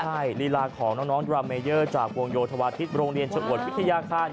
ใช่ลีลาของน้องดราเมเยอร์จากวงโยธวาทิศโรงเรียนชะอวดวิทยาคาร